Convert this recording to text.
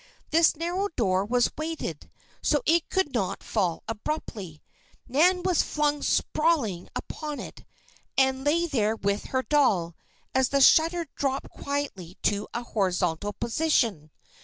This narrow door was weighted, so it could not fall abruptly. Nan was flung sprawling upon it, and lay there with her doll, as the shutter dropped quietly to a horizontal position.